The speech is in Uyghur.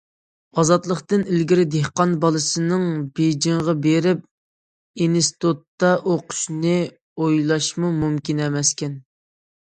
ئازادلىقتىن ئىلگىرى دېھقان بالىسىنىڭ بېيجىڭغا بېرىپ ئىنستىتۇتتا ئوقۇشىنى ئويلاشمۇ مۇمكىن ئەمەسكەن.